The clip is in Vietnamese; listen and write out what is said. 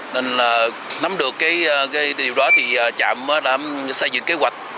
nên nắm được điều đó thì trạm đã xây dựng kế hoạch